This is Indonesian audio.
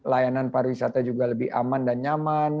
layanan para wisata juga lebih aman dan nyaman